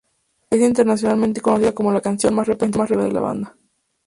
Es internacionalmente conocida como la canción más representativa de la banda.